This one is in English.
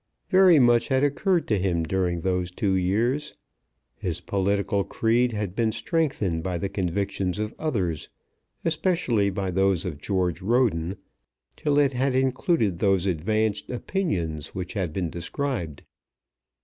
Very much had occurred to him during those two years. His political creed had been strengthened by the convictions of others, especially by those of George Roden, till it had included those advanced opinions which have been described.